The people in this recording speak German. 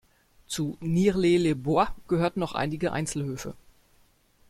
Zu Nierlet-les-Bois gehörten auch einige Einzelhöfe.